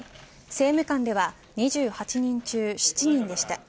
政務官では２８人中７人でした。